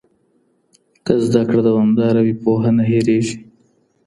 که زده کړه دوامداره وي، پوهه نه هېرېږي.